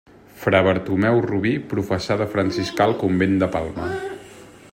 Fra Bartomeu Rubí professà de franciscà al convent de Palma.